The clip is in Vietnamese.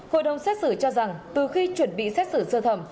hội đồng xét xử cho rằng từ khi chuẩn bị xét xử sơ thẩm